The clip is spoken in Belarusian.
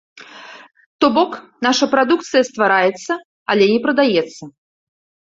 То бок, наша прадукцыя ствараецца, але не прадаецца.